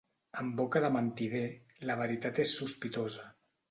En boca de mentider, la veritat és sospitosa.